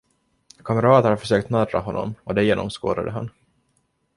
Kamrater försökte narra honom, och det genomskådade han.